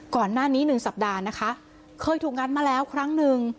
ก่อนหน้านี้หนึ่งสัปดาห์นะคะเคยถูกงัดมาแล้วครั้งหนึ่ง